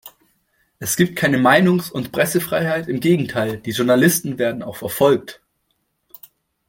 Es gibt keine Meinungs- und Pressefreiheit, im Gegenteil, die Journalisten werden auch verfolgt.